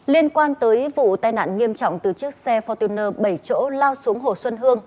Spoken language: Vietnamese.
liên quan tới vụ tai nạn nghiêm trọng từ chiếc xe fortuner bảy chỗ lao xuống hồ xuân hương